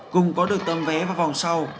cùng có được tâm vé vào vòng sau